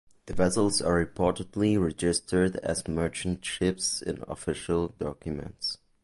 The vessels are reportedly registered as merchant ships in official documents.